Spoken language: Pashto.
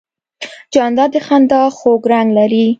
جانداد د خندا خوږ رنګ لري.